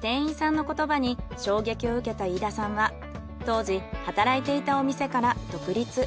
店員さんの言葉に衝撃を受けた飯田さんは当時働いていたお店から独立。